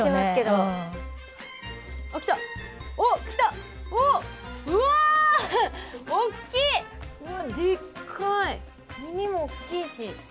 耳も大きいし。